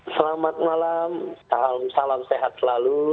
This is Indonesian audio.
selamat malam salam salam sehat selalu